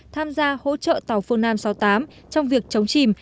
tham gia hỗ trợ tàu phương nam sáu mươi tám trong việc chống chìm